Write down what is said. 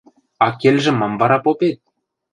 – Аккелжӹм мам вара попет?